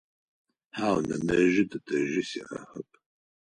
Хьау, нэнэжъи тэтэжъи сиӏэхэп.